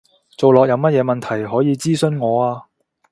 做落有乜嘢問題，可以諮詢我啊